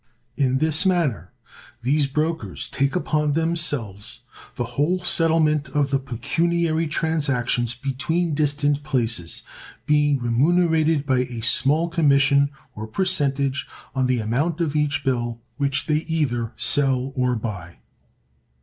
In this manner these brokers take upon themselves the whole settlement of the pecuniary transactions between distant places, being remunerated by a small commission or percentage on the amount of each bill which they either sell or buy.